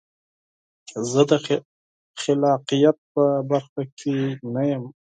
زه د خلاقیت په برخه کې نه یم.